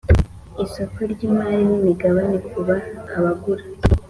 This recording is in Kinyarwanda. Isoko ry imari n imigabane kuba abagura